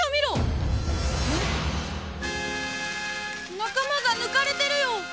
仲間が抜かれてるよ！